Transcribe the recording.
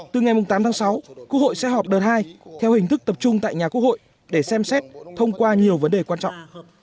từ ngày tám tháng sáu quốc hội sẽ họp đợt hai theo hình thức tập trung tại nhà quốc hội để xem xét thông qua nhiều vấn đề quan trọng